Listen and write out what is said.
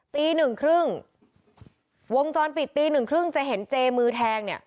ตี๑๓๐วงจรปิดตี๑๓๐จะเห็นเจ๊มือแทง